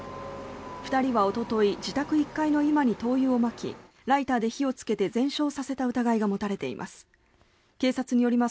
２人はおととい自宅１階の居間に灯油をまきライターで火をつけて全焼させた疑いが持たれています。